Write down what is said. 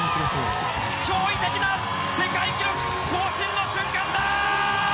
驚異的な世界記録更新の瞬間だ！